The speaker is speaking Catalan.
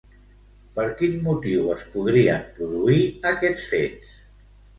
Per quin motiu es podrien produir aquests fets?